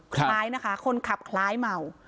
คล้ายนะคะคนขับคล้ายเมา